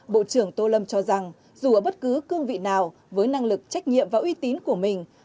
bộ trưởng tô lâm cho rằng dù ở bất cứ cương vị nào với năng lực trách nhiệm và uy tín của mình